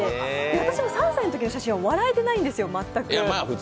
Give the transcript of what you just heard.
私も３歳のときの写真は笑えてないんですよ、全く。